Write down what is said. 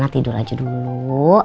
nanti siapa tau pas rena kembali